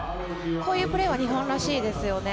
こういうプレーは日本らしいですよね。